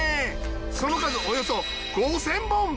その数およそ５，０００本。